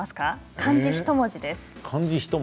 漢字１文字です。